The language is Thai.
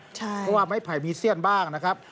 เพราะว่าไม้ไผ่มีเสี้ยนบ้างนะครับ